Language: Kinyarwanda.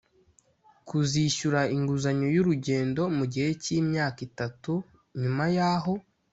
kuzishyura inguzanyo y urugendo mu gihe cy imyaka itatu nyuma y aho